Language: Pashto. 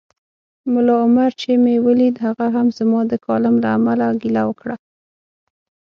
ملا عمر چي مې ولید هغه هم زما د کالم له امله ګیله وکړه